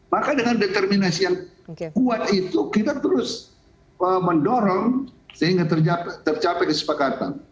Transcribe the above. maka dengan determinasi yang kuat itu kita terus mendorong sehingga tercapai kesepakatan